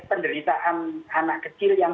penderitaan anak kecil yang